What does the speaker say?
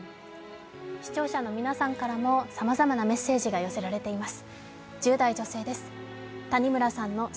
視聴者からもさまざまなメッセージが寄せられています。